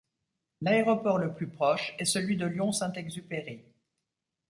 L'aéroport le plus proche est celui de Lyon-Saint-Exupéry.